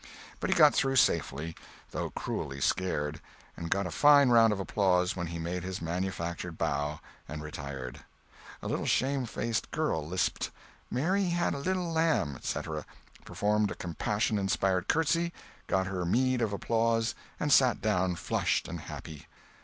But he got through safely, though cruelly scared, and got a fine round of applause when he made his manufactured bow and retired. A little shamefaced girl lisped, "Mary had a little lamb," etc., performed a compassion inspiring curtsy, got her meed of applause, and sat down flushed and happy.